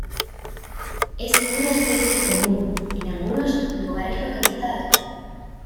Es una especie común en algunos lugares localizados.